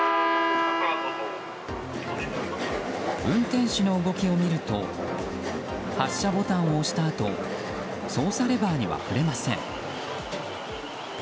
運転士の動きを見ると発車ボタンを押したあと操作レバーには触れません。